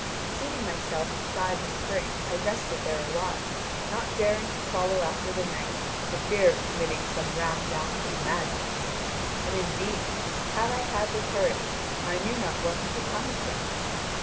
Seating myself beside the spring I rested there awhile, not daring to follow after the knight for fear of committing some rash act of madness. And, indeed, had I had the courage, I knew not what had become of him.